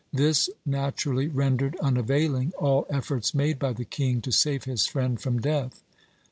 This naturally rendered unavailing all efforts made by the king to save his friend from death.